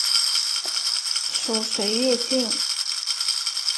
属绥越郡。